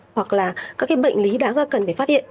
hoặc là các cái bệnh lý đáng ra cần để phát hiện